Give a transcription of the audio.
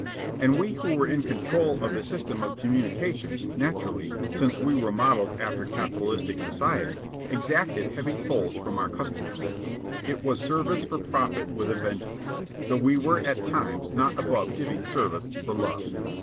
And we who were in control of the system of communication, naturally, since we were modelled after capitalistic society, exacted heavy tolls from our customers. It was service for profit with a vengeance, though we were at times not above giving service for love.